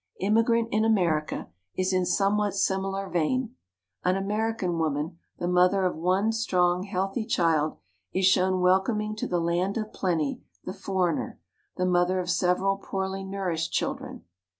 "Im migrant in America" is in somewhat similar vein. An American woman, the mother of one strong healthy child, is shown welcom ing to the land of plenty the foreigner, the mother of several poorly nourished chidren.